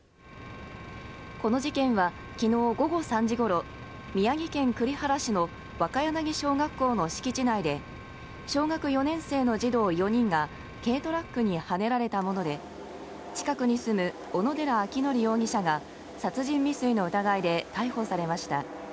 この事件は昨日午後３時ごろ宮城県栗原市の若柳小学校の敷地内で小学４年生の児童４人が軽トラックにはねられたもので近くに住む小野寺章仁容疑者が殺人未遂の疑いで逮捕されました。